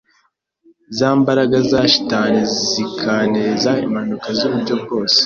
za mbaraga za shitani zikanteza impanuka z’uburyo bwose